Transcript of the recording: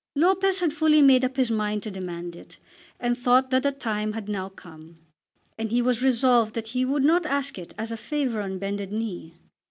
Lopez had fully made up his mind to demand it, and thought that the time had now come. And he was resolved that he would not ask it as a favour on bended knee.